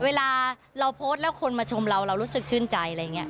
เวลาเราโพสต์แล้วคนมาชมเราเรารู้สึกชื่นใจอะไรอย่างนี้